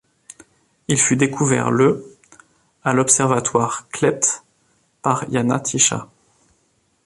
Il fut découvert le à l'Observatoire Kleť par Jana Tichá.